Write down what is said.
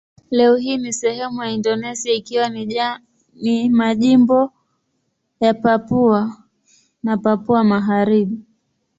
Leo hii ni sehemu ya Indonesia ikiwa ni majimbo ya Papua na Papua Magharibi.